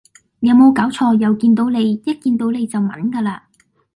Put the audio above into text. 有冇搞錯又見到你一見到你就炆㗎喇